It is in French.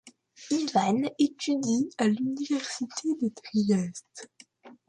Ivan étudie à l'Université de Trieste.